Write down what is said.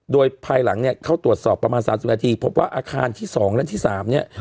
โดยภายหลังเนี่ยเข้าตรวจสอบประมาณ๓๐นาทีพบว่าอาคารที่๒และที่๓เนี่ย